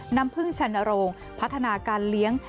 น้ำพึ่งชันโรงพัฒนาการเลี้ยง